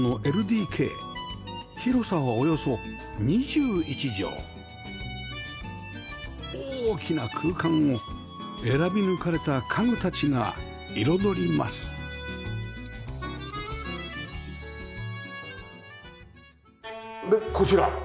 広さはおよそ２１畳大きな空間を選び抜かれた家具たちが彩りますでこちら。